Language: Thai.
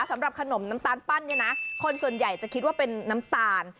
สำหรับขนมน้ำตาลปั้นเนี่ยนะคนส่วนใหญ่จะคิดว่าเป็นน้ำตาล